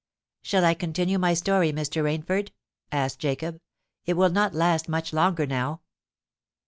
"Shall I continue my story, Mr. Rainford?" asked Jacob. "It will not last much longer now."